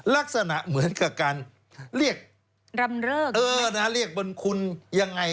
ลักษณะเหมือนกับการเรียกบนคุณอย่างไร